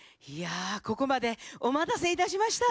ここまでお待たせいたしました。